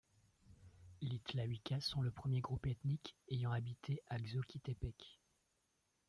Les Tlahuicas sont le premier groupe ethnique ayant habité à Xochitepec.